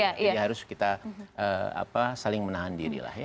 jadi harus kita saling menahan diri lah ya